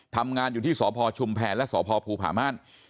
ทำงานอยู่ที่สพชุมแพรและสพภูผาม่าน